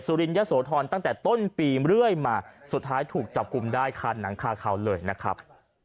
รินยะโสธรตั้งแต่ต้นปีเรื่อยมาสุดท้ายถูกจับกลุ่มได้คานหนังคาเขาเลยนะครับ